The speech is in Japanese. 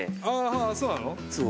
あそうなの？